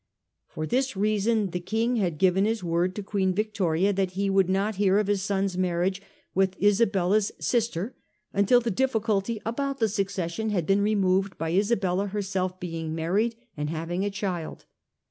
For this reason the King had given his word to Queen Victoria that he would not hear of his son's marriage with Isabella's sister until the difficulty about the succession had been removed by Isabella herself being married and having a child.